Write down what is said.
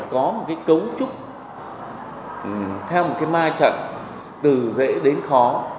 chúc chúc theo một cái ma trận từ dễ đến khó